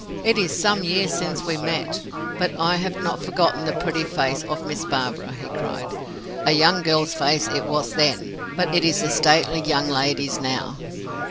"It is some years since we met, but I have not forgotten the pretty face of Miss Barbara," he cried. "A young girl's face it was then, but it is a stately young lady's now."